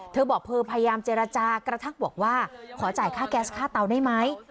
เธอบอกเธอพยายามเจรจากระทักบอกว่าขอจ่ายค่าแก๊สค่าเตาได้ไหม